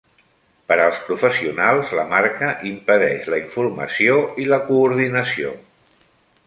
Per als professionals, la marca impedeix la informació i la coordinació.